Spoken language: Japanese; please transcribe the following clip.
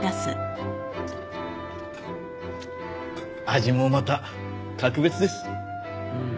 味もまた格別です。